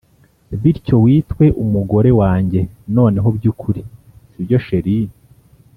bityo witwe umugore wanjye noneho byukuri sibyo chr